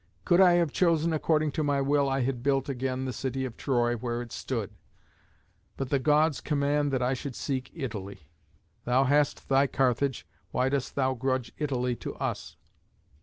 Could I have chosen according to my will I had built again the city of Troy where it stood; but the Gods command that I should seek Italy. Thou hast thy Carthage: why dost thou grudge Italy to us?